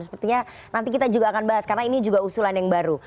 sepertinya nanti kita juga akan bahas karena ini juga usulan yang baru